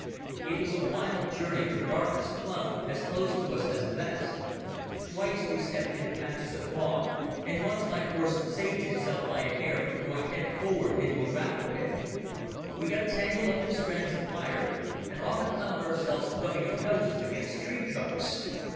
It was a wild journey, for darkness clung as close to us as a vest. Twice we stepped into patches of bog, and once my horse saved himself by a hair from going head forward into a gravel pit. We got tangled up in strands of wire, and often found ourselves rubbing our noses against tree trunks.